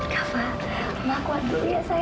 kafa mama kuat dulu ya sayang